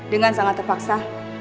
dengan sangat terpaksa